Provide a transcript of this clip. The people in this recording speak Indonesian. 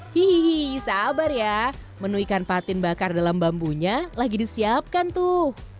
hihihi sabar ya menu ikan patin bakar dalam bambunya lagi disiapkan tuh